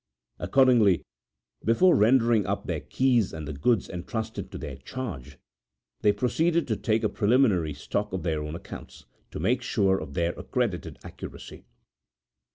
Accordingly, before rendering up their keys and the goods entrusted to their charge, they proceeded to take a preliminary stock of their own accounts, to make sure of their accredited accuracy.